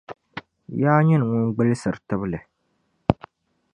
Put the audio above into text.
Yaa nyini ŋun gbilsiri tibli